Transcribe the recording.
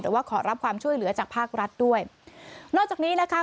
ว่าขอรับความช่วยเหลือจากภาครัฐด้วยนอกจากนี้นะคะ